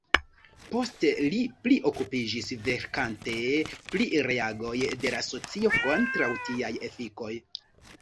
Poste li pli okupiĝis verkante pri reagoj de la socio kontraŭ tiaj efikoj.